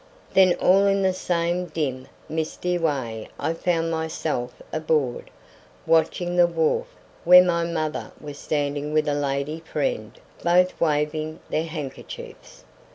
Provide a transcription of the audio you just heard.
Then all in the same dim, misty way I found myself aboard, watching the wharf where my mother was standing with a lady friend, both waving their handkerchiefs.